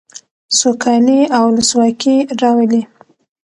سوکالي او ولسواکي راولي.